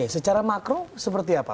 secara makro seperti apa